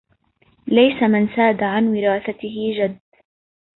ليس من ساد عن وراثته جد